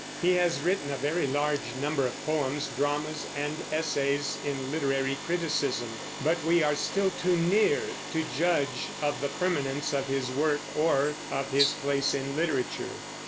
He has written a very large number of poems, dramas, and essays in literary criticism; but we are still too near to judge of the permanence of his work or of his place in literature.